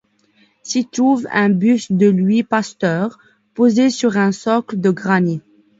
S'y trouve un buste de Louis Pasteur posé sur un socle de granit.